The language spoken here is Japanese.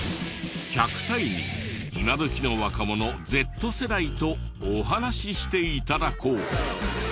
１００歳に今どきの若者Ｚ世代とお話しして頂こう。